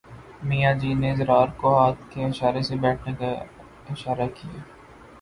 میاں جی نے ضرار کو ہاتھ کے اشارے سے بیٹھنے کا اشارہ کیا